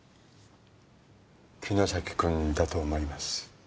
城崎君だと思います。